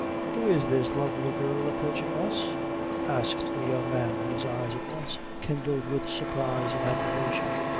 "Who is this lovely girl approaching us?" asked the young man, whose eyes at once kindled with surprise and admiration.